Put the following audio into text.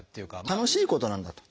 楽しいことなんだと。